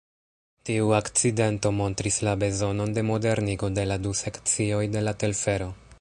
Tiu akcidento montris la bezonon de modernigo de la du sekcioj de la telfero.